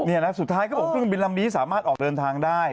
นี่นะสุดท้ายเขาบอกเครื่องบินลำนี้สามารถออกเดินทางได้